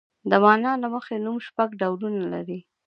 د مانا له مخې نوم شپږ ډولونه لري.